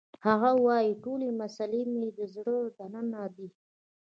هغه وایی ټولې مسلې مې د زړه دننه دي